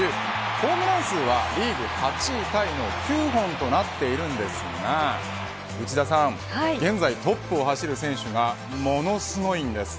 ホームラン数はリーグ８位タイの９本となっているのですが現在トップを走っている選手がものすごいんです。